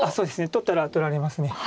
取ったら取られます。